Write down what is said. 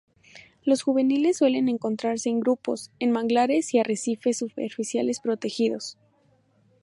Los juveniles suelen encontrarse en grupos, en manglares y arrecifes superficiales protegidos.